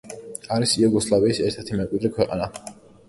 არის იუგოსლავიის ერთ-ერთი მემკვიდრე ქვეყანა.